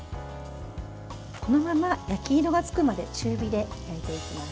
このまま焼き色がつくまで中火で焼いていきます。